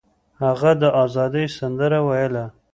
هغه د ازادۍ سندره ویله.